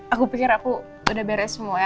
aku pikir aku udah beres semua ya